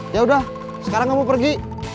yaudah sekarang aku mau pergi